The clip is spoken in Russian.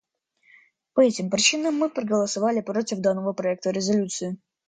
По этим причинам мы проголосовали против данного проекта резолюции.